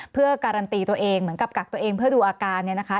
เพื่อการันตีตัวเองเหมือนกับกักตัวเองเพื่อดูอาการเนี่ยนะคะ